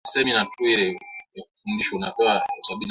la Kale na hasa Yesu Kristo katika Agano